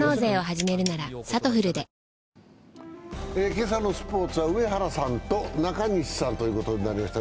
今朝のスポーツは上原さんと中西さんということになりました。